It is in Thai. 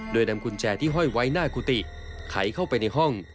โดยนำกุญแจที่ห้อยไว้หน้ากุฏิไขเข้าไปในห้อง